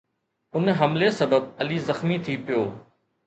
ان حملي سبب علي زخمي ٿي پيو